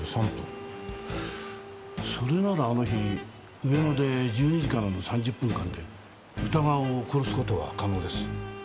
それならあの日上野で１２時からの３０分間で宇田川を殺す事は可能です。